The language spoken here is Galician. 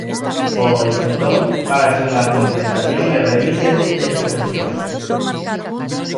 Pois, entón, fágase unha compensación e revísese esta cuestión.